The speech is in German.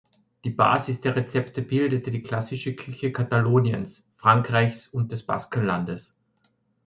Die Basis der Rezepte bildete die klassische Küche Kataloniens, Frankreichs und des Baskenlandes.